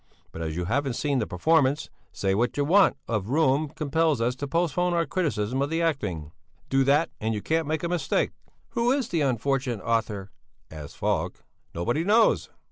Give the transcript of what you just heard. But as you haven't seen the performance, say that want of room compels us to postpone our criticism of the acting. Do that, and you can't make a mistake." "Who is the unfortunate author?" asked Falk. "Nobody knows."